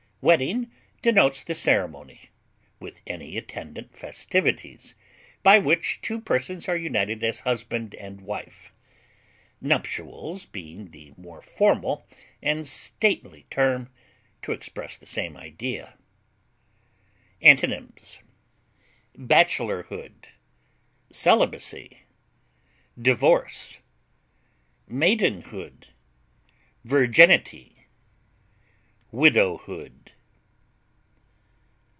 Wedding denotes the ceremony, with any attendant festivities, by which two persons are united as husband and wife, nuptials being the more formal and stately term to express the same idea. Antonyms: bachelorhood, celibacy, divorce, maidenhood, virginity, widowhood.